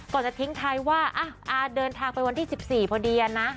จะทิ้งท้ายว่าอาเดินทางไปวันที่๑๔พอดีนะ